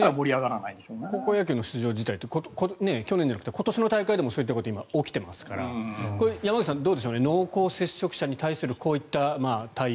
高校野球の出場辞退って去年だけじゃなくて今年の大会でも今、起きていますからこれ、山口さん、どうでしょう濃厚接触者に対するこういった対応。